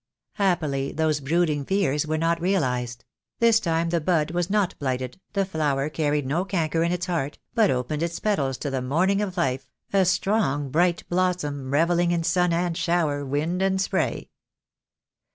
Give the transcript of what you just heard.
Happily those brooding fears were not realized; this time the bud was not blighted, the flower carried no canker in its heart, but opened its petals to the morning of life, a strong bright blossom, revelling in sun and shower, wind and spray.